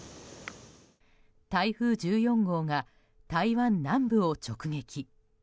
台風１４号が台湾南部を直撃。